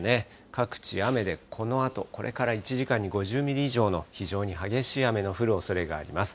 各地、雨でこのあと、これから１時間に５０ミリ以上の非常に激しい雨の降るおそれがあります。